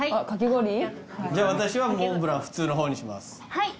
じゃあ私はモンブラン普通の方にします。